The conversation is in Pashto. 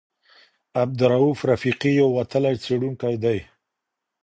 عبدالروف رفیقي یو وتلی څېړونکی دی.